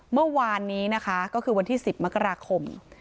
เมื่อวานนี้นะคะก็คือวันที่๑๐มกราคม